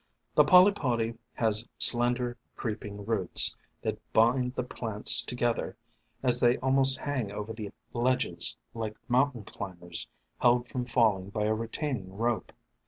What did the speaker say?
The Polypody has slender, creeping roots, that bind the plants to gether, as they almost hang over the ledges, like mountain climbers held from falling by a retaining rope.